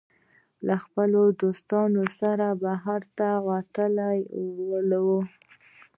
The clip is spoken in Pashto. د خپلو دوستانو سره بهر وتلی وو